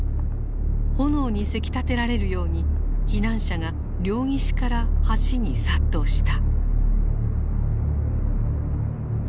炎にせき立てられるように避難者が両岸から橋に殺到した。